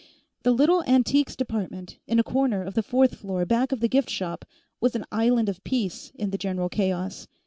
The little Antiques Department, in a corner of the fourth floor back of the Gift Shoppe, was an island of peace in the general chaos.